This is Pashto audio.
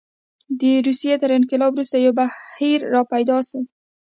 د روسیې تر انقلاب وروسته یو بهیر راپیدا شو.